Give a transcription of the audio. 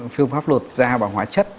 phương pháp lột da bằng hóa chất